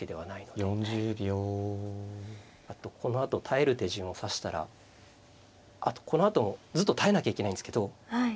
あとこのあと耐える手順を指したらこのあともずっと耐えなきゃいけないんですけど。